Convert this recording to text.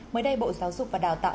mới đây bộ giáo dục và đào tạo